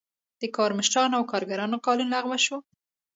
د کارمشرانو او کارګرانو قانون لغوه شو.